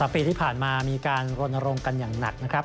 ปีที่ผ่านมามีการรณรงค์กันอย่างหนักนะครับ